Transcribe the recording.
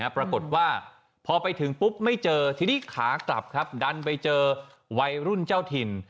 ปรากฏว่าพอไปถึงปุ๊บไม่เจอทีนี้ขากลับครับดันไปเจอวัยรุ่นเจ้าถิ่น